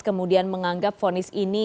kemudian menganggap ponis ini